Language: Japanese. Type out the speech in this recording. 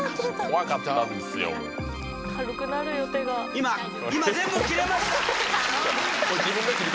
今、今、全部切れました。